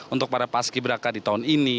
untuk para paski beraka di tahun ini